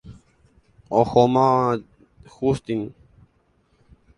Ohóma Justín.